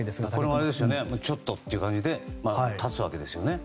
これもちょっとという感じで立つわけですよね。